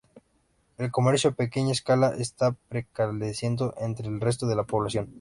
El comercio a pequeña escala está prevaleciendo entre el resto de la población.